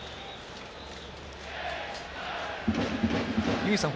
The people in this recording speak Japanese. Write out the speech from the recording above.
井口さん